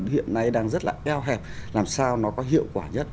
hiện nay đang rất là eo hẹp làm sao nó có hiệu quả nhất